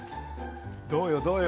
どうよどうよ。